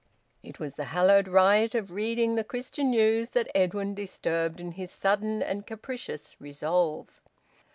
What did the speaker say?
It was the hallowed rite of reading "The Christian News" that Edwin disturbed in his sudden and capricious resolve.